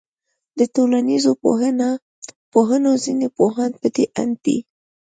د ټولنيزو پوهنو ځيني پوهان پدې آند دي